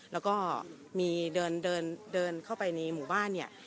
แล้วก็มีเดินเดินเข้าไปในหมู่บ้านเนี่ย